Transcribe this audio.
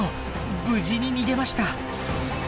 無事に逃げました。